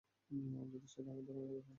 যদি সেটা আমার ধারণার কেউ হয়?